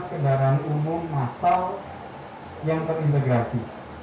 fasilitas kendaraan umum massal yang terintegrasi